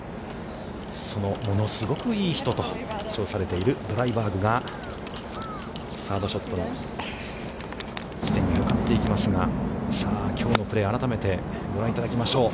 その物すごくいい人と称されているドライバーグが、サードショットの地点に向かって行きますが、さあ、きょうのプレーを改めてご覧いただきましょう。